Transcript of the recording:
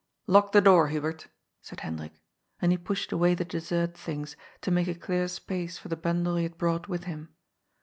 *' Lock the door, Hubert," said Hendrik, and he pushed away the dessert things to make a clear space for the bundle he had brought with him.